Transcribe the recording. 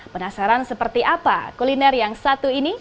penasaran seperti apa kuliner yang satu ini